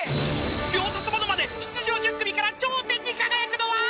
［秒殺ものまね出場１０組から頂点に輝くのは⁉］